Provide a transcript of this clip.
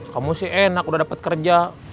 kamu sih enak udah dapat kerja